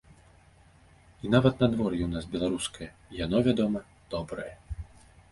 І нават надвор'е ў нас беларускае, і яно, вядома, добрае.